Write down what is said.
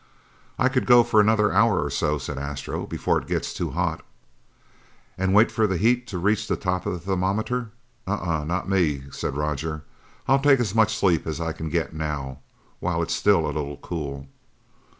"I could go for another hour or so," said Astro, "before it gets too hot." "And wait for the heat to reach the top of the thermometer? Uh huh, not me," said Roger. "I'll take as much sleep as I can get now while it's still a little cool."